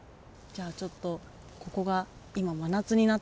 じゃあちょっとここが今真夏になったとして